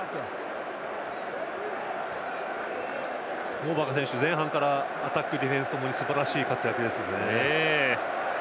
モーバカ選手、前半からアタック、ディフェンスともにすばらしい活躍ですのでね。